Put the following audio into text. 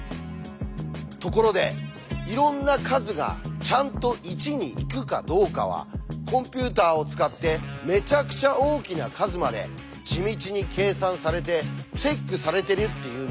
ところでいろんな数がちゃんと１に行くかどうかはコンピューターを使ってめちゃくちゃ大きな数まで地道に計算されてチェックされてるっていうんです。